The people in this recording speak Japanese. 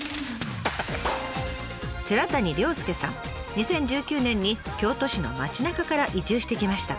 ２０１９年に京都市の町なかから移住してきました。